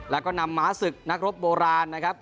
แล้วก็นำม้าศึกนักรบโบราณนะครับ